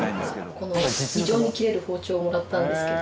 この非常に切れる包丁をもらったんですけど。